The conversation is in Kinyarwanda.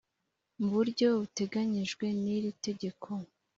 mu buryo buteganyijwe n iri tegeko